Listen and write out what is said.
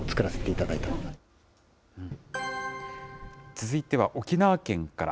続いては沖縄県から。